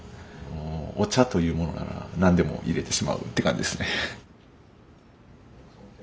お茶というものなら何でも入れてしまうって感じですね。